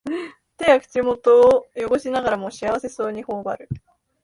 手や口元をよごしながらも幸せそうにほおばる